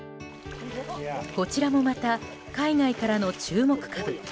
こちらもまた海外からの注目株。